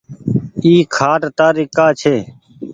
اي کآٽ تآري ڪآ ڇي۔